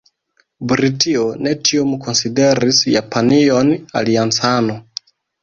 Britio ne tiom konsideris Japanion aliancano.